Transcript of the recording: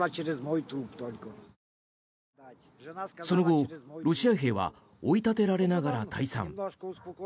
その後、ロシア兵は追い立てられながら退散。